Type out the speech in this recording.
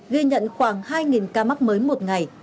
ghi nhận khoảng hai ca mắc mới một ngày